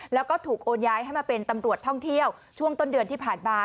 แล้วก็ถูกโอนย้ายให้มาเป็นตำรวจท่องเที่ยวช่วงต้นเดือนที่ผ่านมา